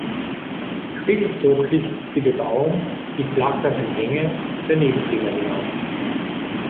Später zog sich die Bebauung die flacheren Hänge der Nebentäler hinauf.